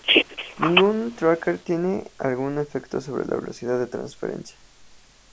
Ningún tracker tiene algún efecto sobre la velocidad de transferencia.